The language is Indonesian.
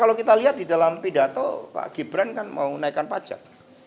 kalau kita lihat di dalam pidato pak gibran kan mau naikkan pajak